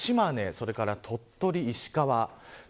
それから鳥取、石川